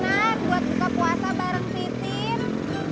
beri makanan buat buka puasa bareng si tintin